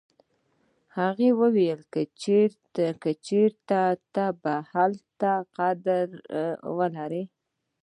هغې ویل چې ته به هلته قدر ولرې